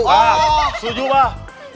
wah setuju pak